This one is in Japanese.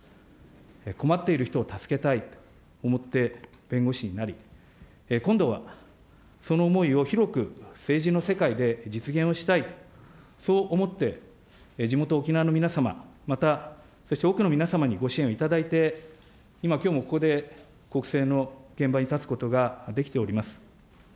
困っている人を助けたいと思って弁護士になり、今度はその思いを広く政治の世界で実現をしたい、そう思って地元、沖縄の皆様、またそして多くの皆様にご支援をいただいて、今きょうもここで国政の現場に立つことができております。